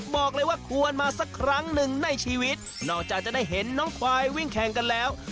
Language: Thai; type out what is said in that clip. บอกเลยว่าควรมาสักครั้งหนึ่งในชีวิตนอกจากจะได้เห็นน้องควายวิ่งแข่งกันแล้ว